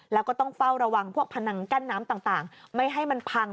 แล้วก็ต้องเฝ้าระวังพวกพนังกั้นน้ำต่างไม่ให้มันพัง